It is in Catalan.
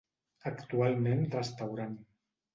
Actualment restaurant.